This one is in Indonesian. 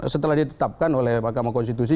setelah ditetapkan oleh mahkamah konstitusi